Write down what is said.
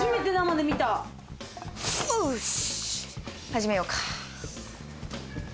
始めようか。